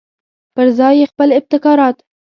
پرځای یې خپل ابتکارات.